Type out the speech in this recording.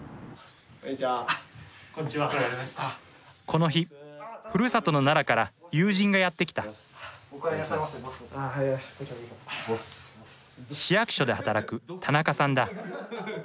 この日ふるさとの奈良から友人がやって来た市役所で働く田中さんだ